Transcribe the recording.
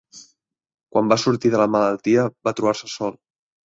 Quan va sortir de la malaltia, va trobar-se sol